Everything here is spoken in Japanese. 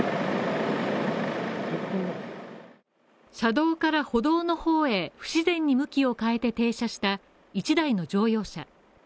車道から歩道の方へ、不自然に向きを変えて停車した１台の乗用車。